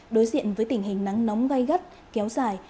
đối diện với tình hình nắng nóng gai gắt kéo dài